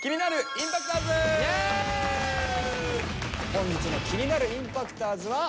本日の気になるＩＭＰＡＣＴｏｒｓはこちらの方です。